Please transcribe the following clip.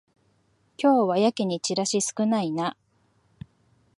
今日はやけにチラシ少ないな